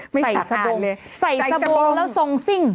ใส่สบงแล้วทรงซิ่ง